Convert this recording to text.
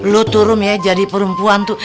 lu tuh rum ya jadi perempuan tuh